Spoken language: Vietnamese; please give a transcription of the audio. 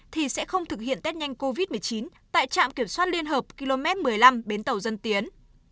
thì sẽ không thực hiện test nhanh covid một mươi chín tại trạm kiểm soát liên hợp km một mươi năm bến tàu dân tiến